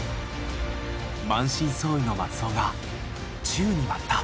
満身創痍の松尾が宙に舞った。